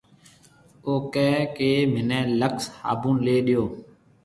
او ڪهي ڪيَ مني لڪَس هابُن ليَ ڏيو۔